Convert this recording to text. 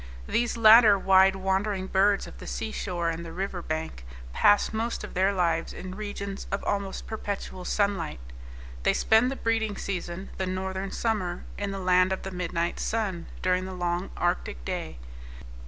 These latter wide wandering birds of the seashore and the river bank pass most of their lives in regions of almost perpetual sunlight. They spend the breeding season, the northern summer, in the land of the midnight sun, during the long arctic day.